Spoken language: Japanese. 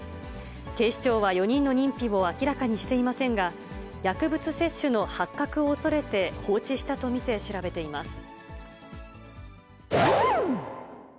警視庁は４人の認否を明らかにしていませんが、薬物摂取の発覚を恐れて放置したと見て調べています。